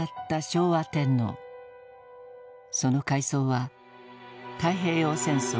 その回想は太平洋戦争